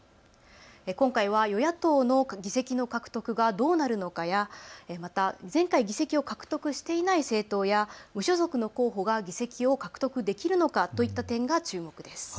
今回は与野党の議席の獲得がどうなるのかや、また前回議席を獲得していない政党や無所属の候補が議席を獲得できるのかといった点が注目です。